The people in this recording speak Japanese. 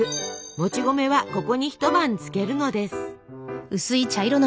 もち米はここに一晩つけるのです。